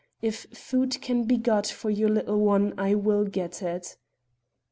If food can be got for your little one, I will get it."